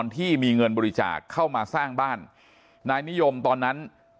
ที่มีเงินบริจาคเข้ามาสร้างบ้านนายนิยมตอนนั้น